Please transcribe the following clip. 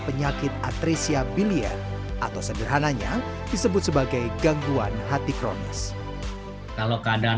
penyakit atresia bilia atau sederhananya disebut sebagai gangguan hati kronis kalau keadaan